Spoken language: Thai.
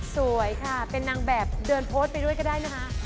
สวยค่ะเป็นนางแบบเดินโพสต์ไปด้วยก็ได้นะคะ